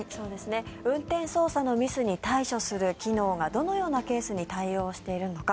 運転操作のミスに対処する機能がどのようなケースに対応しているのか。